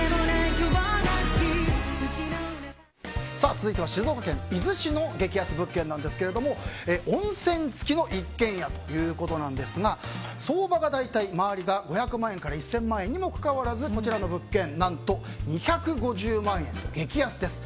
続いては静岡県伊豆市の激安物件ですが温泉付きの一軒家ということですが相場が大体周りが５００万円から１０００万円にもかかわらずこちらの物件何と２５０万円と激安です。